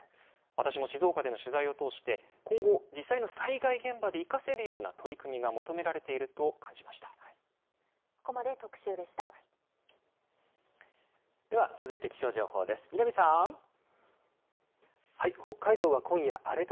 私も静岡での取材を通して、今後、実際の災害現場で生かせるような取り組みが求められていると感じました。